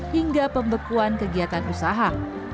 hingga pembekuan kegiatan usaha